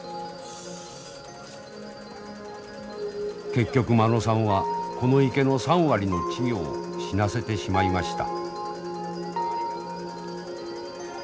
結局間野さんはこの池の３割の稚魚を死なせてしまいました。